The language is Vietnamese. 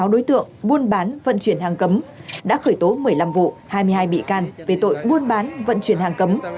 sáu đối tượng buôn bán vận chuyển hàng cấm đã khởi tố một mươi năm vụ hai mươi hai bị can về tội buôn bán vận chuyển hàng cấm